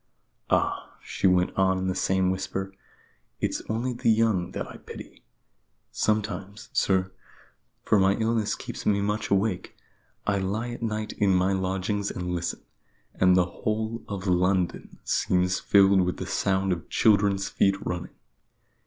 "Ah," she went on in the same whisper, "it's only the young that I pity. Sometimes, sir for my illness keeps me much awake I lie at night in my lodgings and listen, and the whole of London seems filled with the sound of children's feet running.